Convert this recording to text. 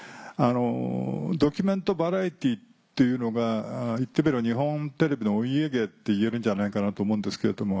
ドキュメントバラエティーっていうのが言ってみれば日本テレビのお家芸って言えるんじゃないかなと思うんですけれども。